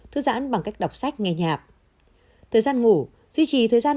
thư giãn bằng cách đọc sách nghe nhạp